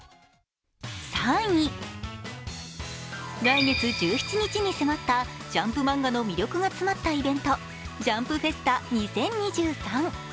３位、来月１７日に迫ったジャンプ漫画の魅力が詰まったイベントジャンプフェスタ２０２３。